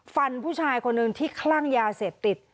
ผู้ชายคนหนึ่งที่คลั่งยาเสพติด